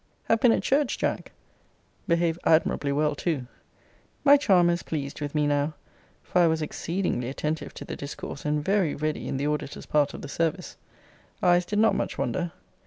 Have been at church, Jack behaved admirably well too! My charmer is pleased with me now: for I was exceedingly attentive to the discourse, and very ready in the auditor's part of the service. Eyes did not much wander.